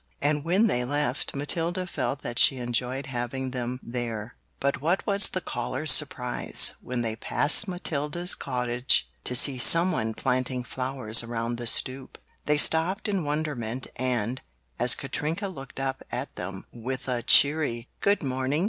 And when they left, Matilda felt that she enjoyed having them there. But what was the callers' surprise when they passed Matilda's cottage to see someone planting flowers around the stoop. They stopped in wonderment and, as Katrinka looked up at them with a cheery "Good Morning!"